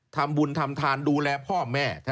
ทำบุญทำทานดูแลพ่อแม่